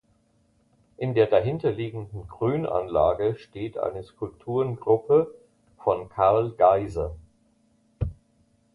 In der dahinter liegenden Grünanlage steht eine Skulpturengruppe von Karl Geiser.